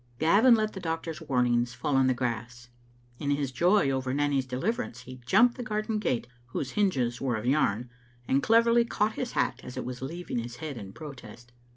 Gavin let the doctor's warnings fall in the grass. In his joy over Nanny's deliverance he jumped the garden gate, whose hinges were of yarn, and cleverly caught his hat as it was leaving his head in protest.